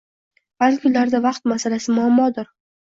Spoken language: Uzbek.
Balki ularda vaqt masalasi muammodir.